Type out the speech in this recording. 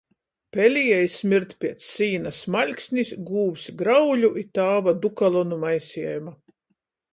Pelieji smird piec sīna smaļksnis, gūvs grauļu i tāva "dukalonu" maisejuma.